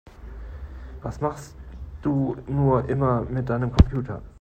Was machst du nur immer mit deinem Computer?